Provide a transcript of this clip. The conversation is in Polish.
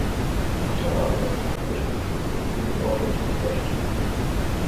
Chciałabym, abyśmy wszyscy mówili o rzeczywistości